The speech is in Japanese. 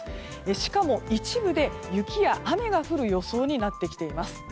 しかも一部で雪や雨が降る予想になってきています。